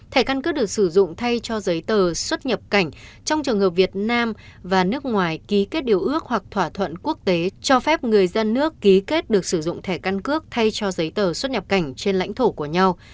thẻ căn cước được sử dụng thay cho giấy tờ xuất nhập cảnh trong trường hợp việt nam và nước ngoài ký kết điều ước hoặc thỏa thuận quốc tế cho phép người dân nước ký kết được sử dụng thẻ căn cước thay cho giấy tờ xuất nhập cảnh trên lãnh thổ của nhau